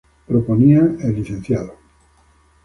Proponía el Lic.